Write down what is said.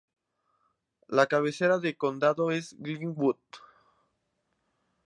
La cabecera del condado es Glenwood.